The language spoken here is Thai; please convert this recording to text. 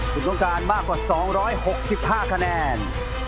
คุณต้องการมากกว่า๒๖๕คะแนน